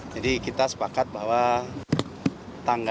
jadi kita sepakat bahwa tangga